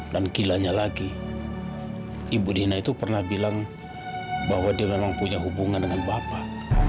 dan gilanya lagi ibu dina itu pernah bilang bahwa dia memang punya hubungan dengan bapak